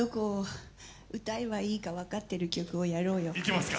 いきますか。